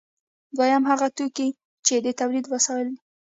دویم هغه توکي دي چې د تولید وسایل دي.